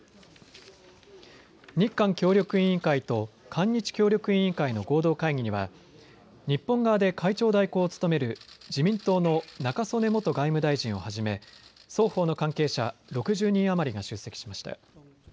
日韓協力委員会と韓日協力委員会の合同会議には日本側で会長代行を務める自民党の中曽根元外務大臣をはじめ、双方の関係者６０人余りが出席しました。